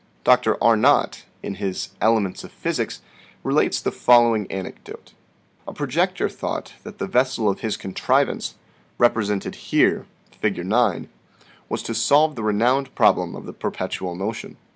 Dr. Arnott, in his " Elements of Phy sics," relates the following anecdote :" A projector thought that the vessel of his contrivance, represented here (Fig. 9), was to solve the renowned problem of the perpetual mo tion.